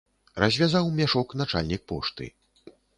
Развязаў мяшок начальнік пошты.